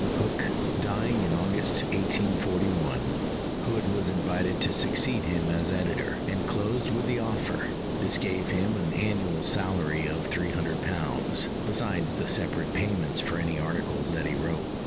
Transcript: Hook dying in August 1841, Hood was invited to succeed him as editor, and closed with the offer: this gave him an annual salary of £300, besides the separate payments for any articles that he wrote.